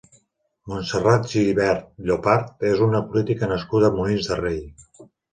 Montserrat Gibert Llopart és una política nascuda a Molins de Rei.